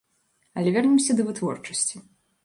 Але вернемся да вытворчасці.